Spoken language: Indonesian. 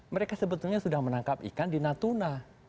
mereka sebetulnya sudah menangkap ikan di natuna